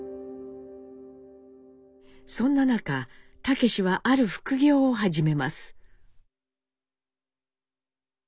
そんな中武はある副業を始めます。